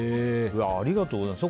ありがとうございます。